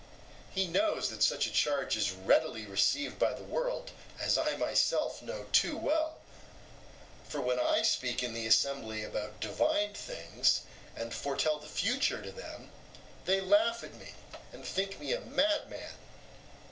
He knows that such a charge is readily received by the world, as I myself know too well; for when I speak in the assembly about divine things, and foretell the future to them, they laugh at me and think me a madman.